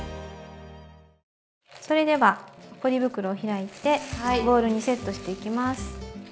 それではポリ袋を開いてボウルにセットしていきます。